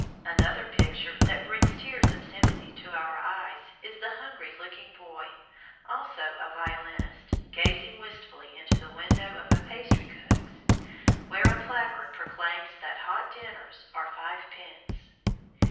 Another picture, that brings tears of sympathy to our eyes, is the hungry looking boy, also a violinist, gazing wistfully into the window of a pastry cook's, where a placard proclaims that hot dinners are five pence.